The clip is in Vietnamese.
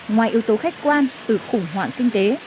ngoài yếu tố khách quan từ khủng hoảng kinh tế